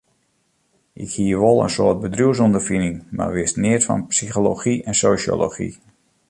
Ik hie wol in soad bedriuwsûnderfining, mar wist neat fan psychology en sosjology.